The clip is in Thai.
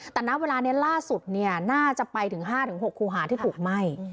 แต่ณเวลานี้ล่าสุดน่าจะไปถึง๕๖คูหาที่ถูกไหม้